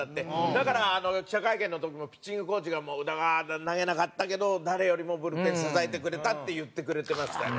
だから記者会見の時もピッチングコーチが「宇田川投げなかったけど誰よりもブルペン支えてくれた」って言ってくれてましたね。